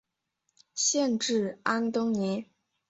县治安东尼。